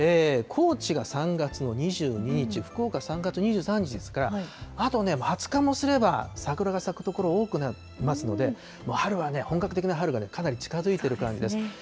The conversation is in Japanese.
高知が３月の２２日、福岡３月２３日ですから、あとね、２０日もすれば桜が咲く所、多くなりますので、春はね、本格的な春がかなり近づいている感じです。